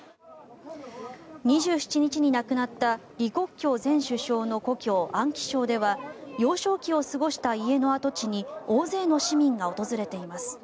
２７日に亡くなった李克強前首相の故郷・安徽省では幼少期を過ごした家の跡地に大勢の市民が訪れています。